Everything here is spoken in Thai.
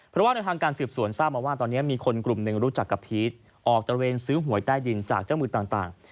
เพราะว่าในทางการสืบสวนทราบมาว่าตอนนี้มีคนกลุ่มหนึ่งรู้จักกับพีชออกตระเวนซื้อหวยใต้ดินจากเจ้ามือต่าง